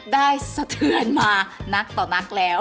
สะเทือนมานักต่อนักแล้ว